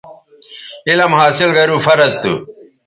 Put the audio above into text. علم حاصل گرو فرض تھو